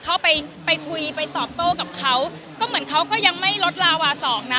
เข้าไปไปคุยไปตอบโต้กับเขาก็เหมือนเขาก็ยังไม่ลดลาวาสองนะ